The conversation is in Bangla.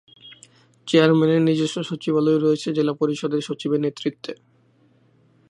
চেয়ারম্যানের নিজস্ব সচিবালয় রয়েছে জেলা পরিষদের সচিবের নেতৃত্বে।